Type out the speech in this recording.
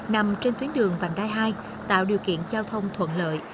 nằm trên tuyến đường vành đai hai tạo điều kiện giao thông thuận lợi